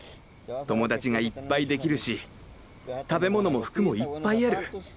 友達がいっぱい出来るし食べ物も服もいっぱいある。